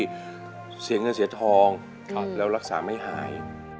เสียเงินเสียทองแล้วรักษาไม่หาย